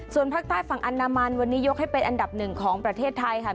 ส่วนภาคใต้ฝั่งอันดามันวันนี้ยกให้เป็นอันดับหนึ่งของประเทศไทยค่ะ